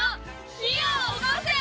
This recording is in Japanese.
「火をおこせ！」。